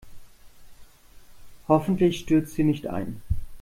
Hoffentlich stürzt sie nicht ein.